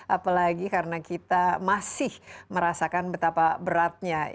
apalagi karena kita masih merasakan betapa beratnya